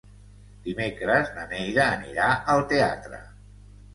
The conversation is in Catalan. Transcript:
Dimecres na Neida anirà al teatre.